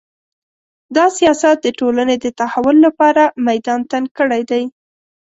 دا سیاست د ټولنې د تحول لپاره میدان تنګ کړی دی